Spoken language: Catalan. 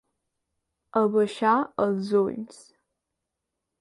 Abaixar els ulls.